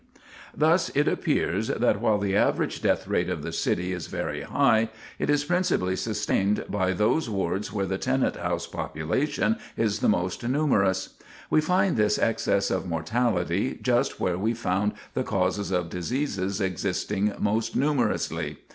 Thus it appears that while the average death rate of the city is very high, it is principally sustained by those Wards where the tenant house population is the most numerous. We find this excess of mortality just where we found the causes of diseases existing most numerously.